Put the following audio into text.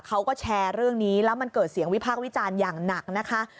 เขาก็แชร์เรื่องนี้แล้วมันเกิดเสียงวิพากษ์วิจารณ์อย่างหนักนะคะ